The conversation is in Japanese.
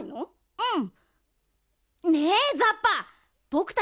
うん。